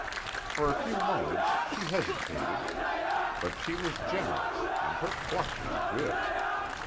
For a few moments she hesitated, but she was generous and her pluck was good.